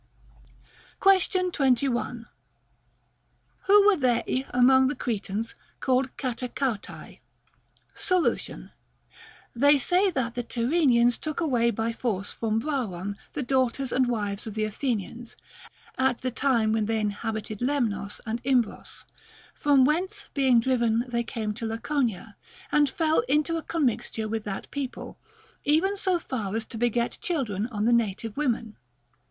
Question 21. Who were they among the Cretans called KuruxuvTcct. ? Solution. They say that the Tyrrhenians took away by force from Brauron the daughters and wives of the Athe nians, at the time when they inhabited Lemnos and Im bros ; from whence being driven they came to Laconia, and fell into a commixture with that people, even so far as to beget children on the native women.